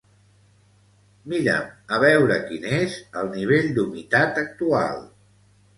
Mira'm a veure quin és el nivell d'humitat actual.